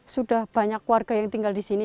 sudah banyak warga yang tinggal di sini